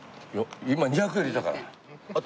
今２００円入れたから。